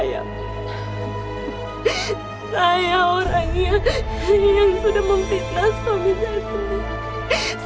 ibu saya orangnya yang sudah memfitnah suami saya sendiri